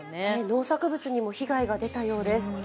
農作物にも被害が出たようです。